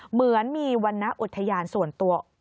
เหมือนมีวรรณอุทยานส่วนตัว